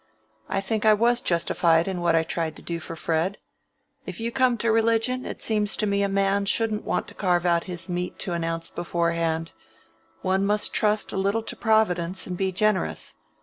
I think I was justified in what I tried to do for Fred. If you come to religion, it seems to me a man shouldn't want to carve out his meat to an ounce beforehand:—one must trust a little to Providence and be generous.